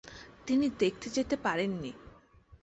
তিনি দেখে যেতে পারেননি।